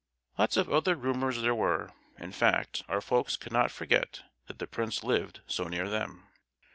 Lots of other rumours there were—in fact, our folks could not forget that the prince lived so near them.